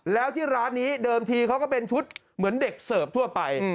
แล้วที่ร้านนี้เดิมทีเขาก็เป็นชุดเหมือนเด็กเสิร์ฟทั่วไป